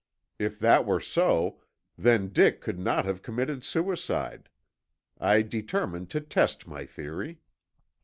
If that were so, then Dick could not have committed suicide. I determined to test my theory.